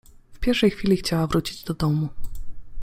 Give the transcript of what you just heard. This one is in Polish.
W pierwszej chwili chciała wrócić do domu.